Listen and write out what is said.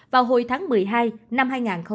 vào hồi tháng một mươi hai năm hai nghìn hai mươi